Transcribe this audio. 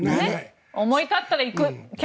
思い立ったら行く。